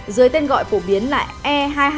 dưới tên gọi phổ biến là e hai trăm hai mươi